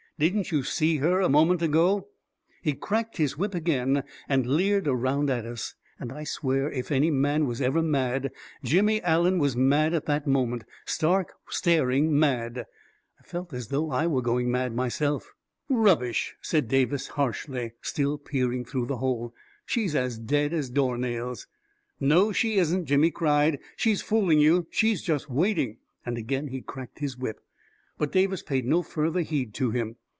Didn't you see her a moment ago ?" He cracked his whip again, and leered around at us; and I swear, if any man was ever mad, Jimmy Allen was mad at that moment — stark, staring mad t I felt as though I were going mad myself ..." Rubbish 1 " said Davis, harshly, still peering through the hole. " She's as dead as door nails I " "No, she isn't!" Jimmy cried. "She's fooling you ! She's just waiting ..." And again he cracked his whip. But Davis paid no further heed to him.